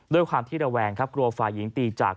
ด้วยความที่ระแวงครับกลัวฝ่ายหญิงตีจาก